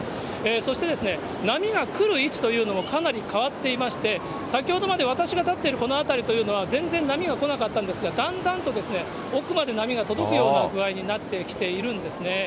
そして波が来る位置というのもかなり変わっていまして、先ほどまで私が立っているこの辺りというのは、全然波が来なかったんですが、だんだんと奥まで波が届くような具合になってきているんですね。